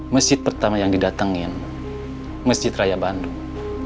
masjid pertama yang didatengin masjid raya bandung